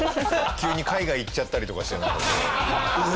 急に海外行っちゃったりとかして。